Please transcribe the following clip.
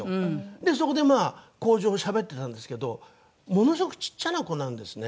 でそこでまあ口上しゃべってたんですけどものすごくちっちゃな子なんですね。